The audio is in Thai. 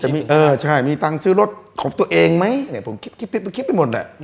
มีตังค์ซื้อรถของตัวเองไหมผมคิดไปหมด